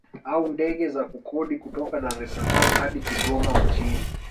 Au ndege za kukodi kutoka Dar es Salaam hadi Kigoma mjini